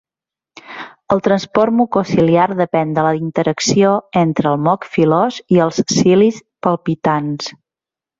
El transport mucociliar depèn de la interacció entre el moc filós i els cilis palpitants.